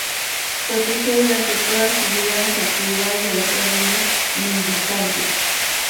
Protegió durante toda su vida las actividades de las Órdenes mendicantes.